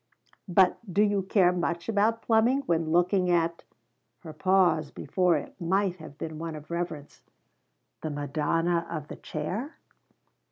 But do you care much about plumbing when looking at" her pause before it might have been one of reverence "The Madonna of the Chair?"